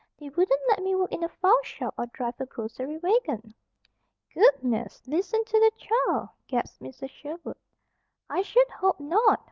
They wouldn't let me work in the file shop, or drive a grocery wagon." "Goodness! Listen to the child!" gasped Mrs. Sherwood. "I should hope not!